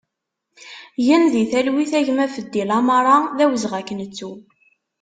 Gen di talwit a gma Feddi Lamara, d awezɣi ad k-nettu!